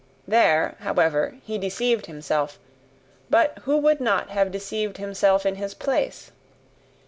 There, however, he deceived himself; but who would not have deceived himself in his place?